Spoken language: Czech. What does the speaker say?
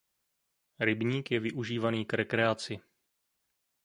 Rybník je využívaný k rekreaci.